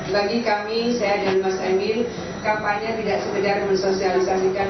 bagi kami saya dan mas emil kampanye tidak sekedar mensosialisasikan